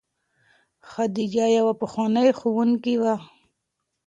خدیجه یوه پخوانۍ ښوونکې وه.